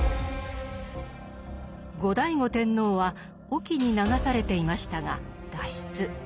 後醍醐天皇は隠岐に流されていましたが脱出。